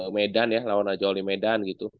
medan ya lawan raja wali medan